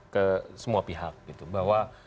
ke semua pihak bahwa